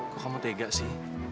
kok kamu tega sih